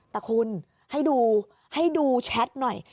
แต่คุณให้ดูให้ดูแชทหน่อย